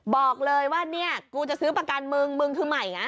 บอกเลยว่าเนี่ยกูจะซื้อประกันมึงมึงคือใหม่นะ